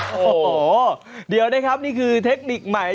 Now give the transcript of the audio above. โอ้โหเดี๋ยวนะครับนี่คือเทคนิคใหม่